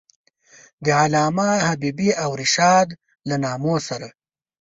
د علامه حبیبي او رشاد له نامو سره.